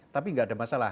tapi enggak ada masalah